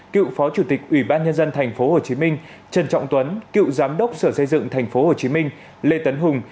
cựu phó chủ tịch ủy ban nhân dân tp hcm trần trọng tuấn cựu giám đốc sở xây dựng tp hcm lê tấn hùng